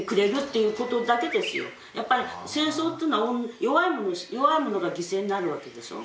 やっぱり戦争っていうのは弱い者が犠牲になるわけでしょう。